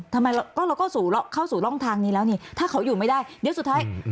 เราก็เราก็เข้าสู่ร่องทางนี้แล้วนี่ถ้าเขาอยู่ไม่ได้เดี๋ยวสุดท้าย